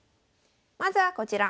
まずはこちら。